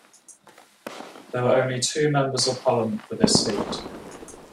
There were only two Members of Parliament for this seat.